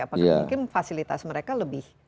apakah mungkin fasilitas mereka lebih